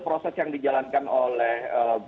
proses yang dijalankan oleh